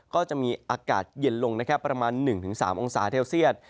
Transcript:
ก็จะมีอากาศเย็นลงนะครับประมาณ๑๓องศาเซลเซียต